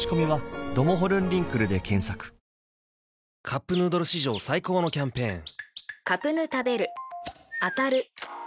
「カップヌードル」史上最高のキャンペーン！